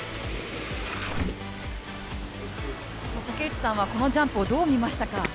竹内さんはこのジャンプをどう見ましたか？